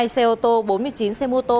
hai xe ô tô bốn mươi chín xe mô tô